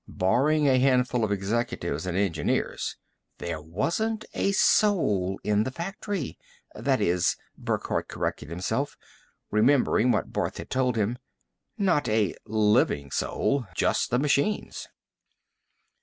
Barring a handful of executives and engineers, there wasn't a soul in the factory that is, Burckhardt corrected himself, remembering what Barth had told him, not a living soul just the machines.